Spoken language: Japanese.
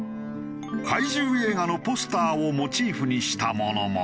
怪獣映画のポスターをモチーフにしたものも。